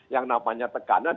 yang namanya tekanan